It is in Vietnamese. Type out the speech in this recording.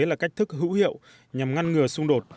là cách thức hữu hiệu nhằm ngăn ngừa xung đột